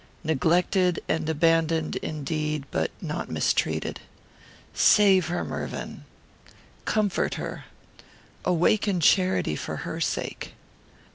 Neglected and abandoned indeed, but not mistreated. Save her, Mervyn. Comfort her. Awaken charity for her sake.